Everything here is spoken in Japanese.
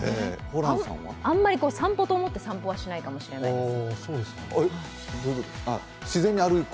あんまり散歩と思って散歩はしないかもしれないです。